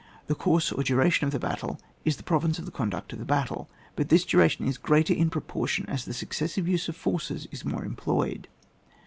The course or duration of the bat tle, is the province of the conduct of the battle : but this duration is greater in proportion as the successive use of forces is more employed.